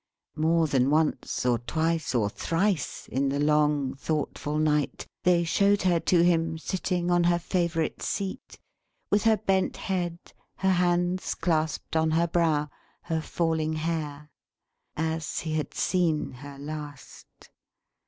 More than once, or twice, or thrice, in the long thoughtful night, they showed her to him sitting on her favourite seat, with her bent head, her hands clasped on her brow, her falling hair. As he had seen her last.